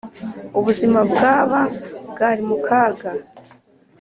Ubuzima bwaba bwari mu kaga